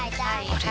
あれ？